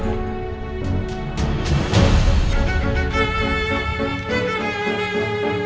aku mau denger